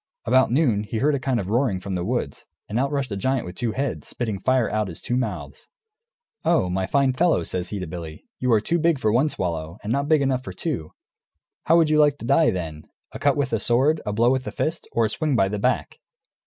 About noon he heard a kind of roaring from the wood; and out rushed a giant with two heads, spitting fire out of his two mouths. "Oh! my fine fellow," says he to Billy, "you are too big for one swallow and not big enough for two; how would you like to die, then? By a cut with the sword, a blow with the fist, or a swing by the back?"